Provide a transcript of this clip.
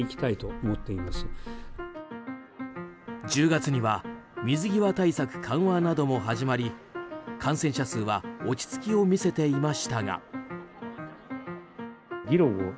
１０月には水際対策緩和なども始まり感染者数は落ち着きを見せていましたが。